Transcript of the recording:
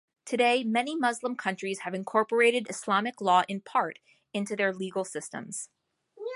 Today, many Muslim countries have incorporated Islamic law in part, into their legal systems.